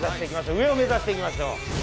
上を目指していきましょう。